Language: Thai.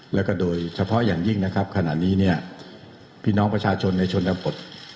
แล้วก็โดยเฉพาะอย่างยิ่งขนาดนี้พี่น้องประชาชนในชนบท